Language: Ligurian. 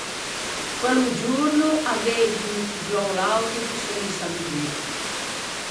Quello giorno aveivimo piggiou l’autobo sensa biggetto.